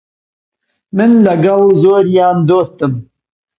من لەگەڵ زۆریان دۆستم.